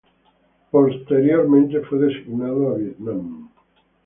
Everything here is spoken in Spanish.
Posteriormente, fue designado a Vietnam.